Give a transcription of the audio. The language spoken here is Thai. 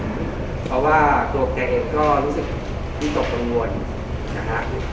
เพราะว่าตัวแกเองก็รู้สึกวิตกกังวลนะฮะ